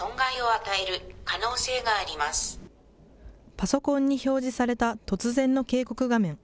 パソコンに表示された突然の警告画面。